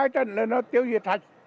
được hai trần là nó tiêu diệt thật